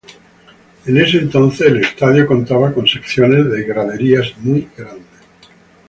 En ese entonces, el estadio contaba con secciones de graderías muy grandes.